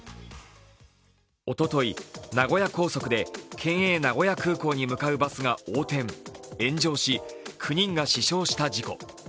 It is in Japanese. おととい、名古屋高速で営名古屋空港に向かうバスが横転、炎上し９人が死傷した事故。